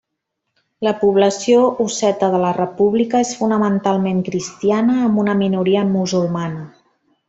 La població osseta de la república és fonamentalment cristiana amb una minoria musulmana.